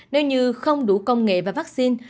nếu như không đủ công nghệ và vaccine